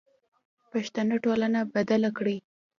پښتنه ټولنه بدله کړئ.